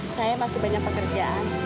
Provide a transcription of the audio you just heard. saya masih banyak pekerjaan